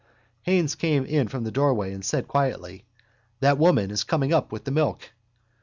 Haines came in from the doorway and said quietly: —That woman is coming up with the milk.